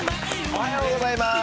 おはようございます。